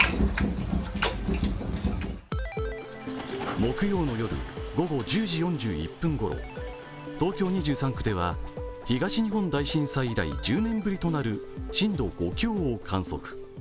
木曜の夜午後１０時４１分ごろ、東京２３区では東日本大震災以来１０年ぶりとなる震度５強を観測。